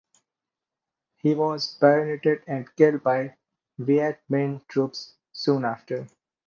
He was bayoneted and killed by Viet Minh troops soon after.